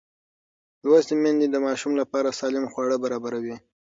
لوستې میندې د ماشوم لپاره سالم خواړه برابروي.